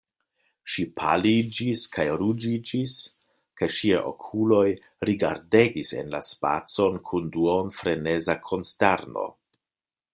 Ŝi paliĝis kaj ruĝiĝis, kaj ŝiaj okuloj rigardegis en la spacon kun duonfreneza konsterno.